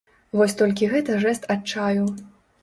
Вось толькі гэта жэст адчаю.